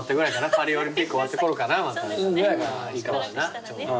パリオリンピック終わったころかな。ぐらいがいいかも。